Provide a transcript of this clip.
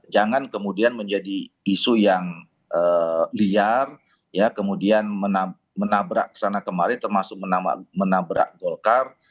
jangan kemudian menjadi isu yang liar kemudian menabrak sana kemari termasuk menabrak golkar